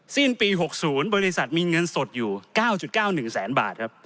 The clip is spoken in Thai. สิ้นปี๖๐บริษัทมีเงินสดอยู่๙๙๑แสนบาทครับ